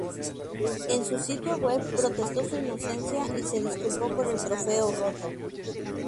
En su sitio web, protestó su inocencia, y se disculpó por el trofeo roto.